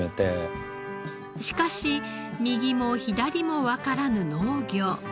しかし右も左もわからぬ農業。